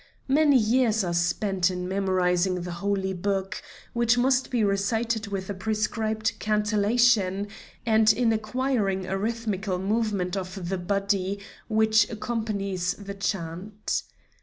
Many years are spent in memorizing the Holy Book, which must be recited with a prescribed cantillation, and in acquiring a rhythmical movement of the body which accompanies the chant.